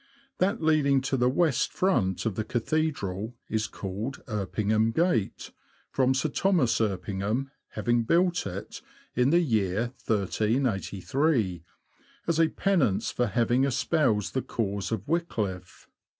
That leading to the west front of the Cathedral is called Erpingham Gate, from Sir Thomas Erpingham having built it, in the year 1383, as a penance for having espoused the cause of Wickliffe.